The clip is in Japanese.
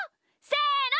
せの！